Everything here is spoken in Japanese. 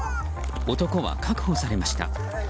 男は確保されました。